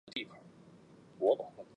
尼尼微省是伊拉克十八省之一。